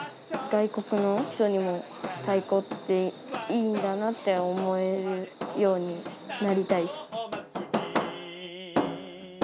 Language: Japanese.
外国の人にも、太鼓っていいんだなって思えるようになりたいです。